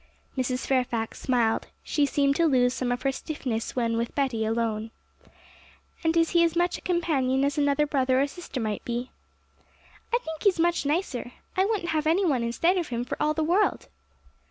Mrs. Fairfax smiled; she seemed to lose some of her stiffness when with Betty alone. 'And is he as much a companion as another brother or sister might be?' 'I think he's much nicer. I wouldn't have any one instead of him for all the world.'